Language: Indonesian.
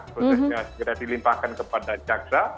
prosesnya segera dilimpahkan kepada jaksa